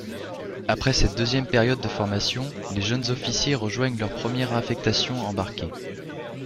Après cette deuxième période de formation, les jeunes officiers rejoignent leur première affectation embarquée.